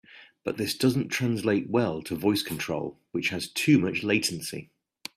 But this doesn't translate well to voice control, which has too much latency.